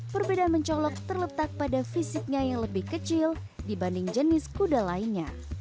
perbedaan mencolok terletak pada fisiknya yang lebih kecil dibanding jenis kuda lainnya